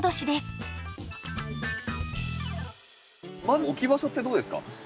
まず置き場所ってどうですか？